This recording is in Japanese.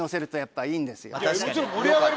確かに。